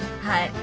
はい。